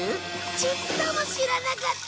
ちっとも知らなかった！